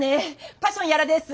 パッション屋良です。